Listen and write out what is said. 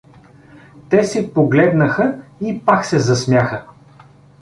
Те се погледнаха и пак се засмяха.